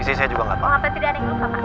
isi saya juga gak tau